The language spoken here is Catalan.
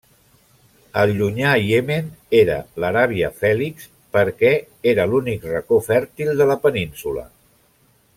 El llunyà Iemen era l'Aràbia Fèlix, perquè era l'únic racó fèrtil de la península.